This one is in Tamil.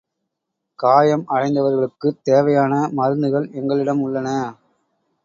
காயம் அடைந்தவர்களுக்குத் தேவையான மருந்துகள் எங்களிடம் உள்ளன.